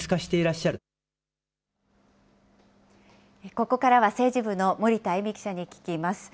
ここからは政治部の森田あゆ美記者に聞きます。